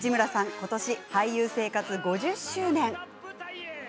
今年俳優生活５０周年。